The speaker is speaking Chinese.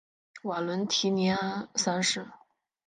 瓦伦提尼安三世。